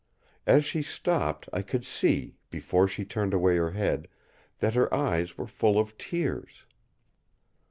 As she stopped, I could see, before she turned away her head, that her eyes were full of tears.